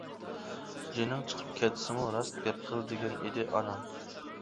«جېنىڭ چىقىپ كەتسىمۇ راست گەپ قىل! » دېگەن ئىدى، ئانام.